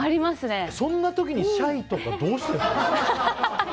そんな時にシャイとかどうしてるの？